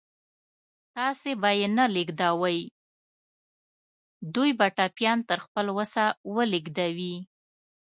تاسې به یې نه لېږدوئ، دوی به ټپيان تر خپل وسه ولېږدوي.